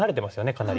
かなり。